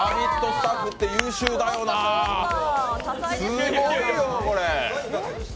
スタッフって優秀だよな、すごいよ、これ。